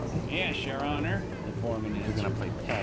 "Yes, Your Honour," the foreman answered.